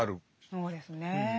そうですね。